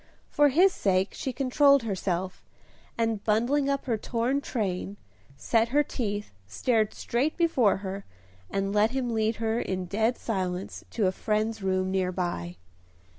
For his sake she controlled herself, and, bundling up her torn train, set her teeth, stared straight before her, and let him lead her in dead silence to a friend's room near by.